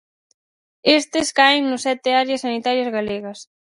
Estes caen no sete áreas sanitarias galegas.